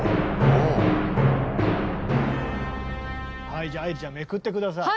はいじゃあ愛理ちゃんめくって下さい。